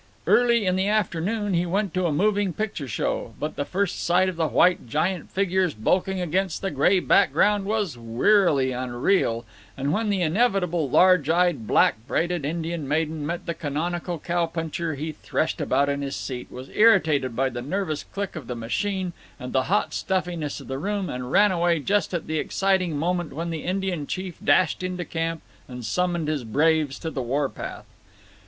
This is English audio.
Early in the afternoon he went to a moving picture show, but the first sight of the white giant figures bulking against the gray background was wearily unreal; and when the inevitable large eyed black braided Indian maiden met the canonical cow puncher he threshed about in his seat, was irritated by the nervous click of the machine and the hot stuffiness of the room, and ran away just at the exciting moment when the Indian chief dashed into camp and summoned his braves to the war path.